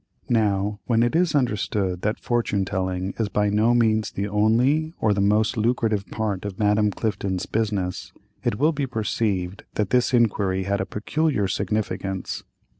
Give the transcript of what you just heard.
Now when it is understood that fortune telling is by no means the only, or the most lucrative part of Madame Clifton's business, it will be perceived that this inquiry had a peculiar significance.